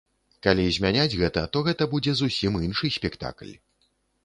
Калі змяняць гэта, то гэта будзе зусім іншы спектакль.